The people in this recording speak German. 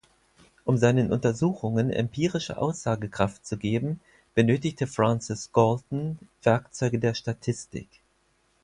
Um seinen Untersuchungen empirische Aussagekraft zu geben, benötigte Francis Galton Werkzeuge der Statistik.